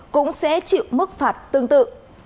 cũng sẽ chịu mức phạt tương tự